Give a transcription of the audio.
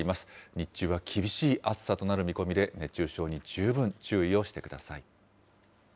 日中は厳しい暑さとなる見込みで、熱中症に十分注意をしてください。